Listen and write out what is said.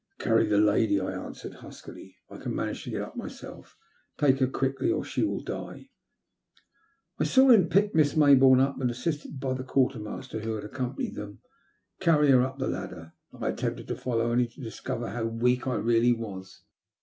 "Carry the lady," I answered huskily; "I can manage to get up myself. Take her quickly, or she will die.'' I saw him pick Miss Maybourne up, and, assisted by the quartermaster who had accompanied him, 900 THE LUST OF HATB. carry her up the ladder. I attempted to follow, onlj to discover how weak I really was.